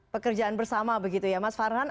pekerjaan bersama begitu ya mas farhan